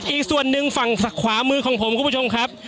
อีกส่วนหนึ่งฝั่งขวามือของผมคุณผู้ชมครับ